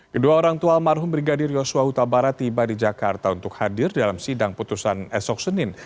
kedua orang tua almarhum brigadir yosua huta barat tiba di jakarta untuk hadir dalam sidang putusan esok senin